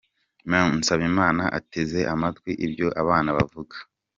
Mme Nsabimana ateze amatwi ibyo abana bavuga.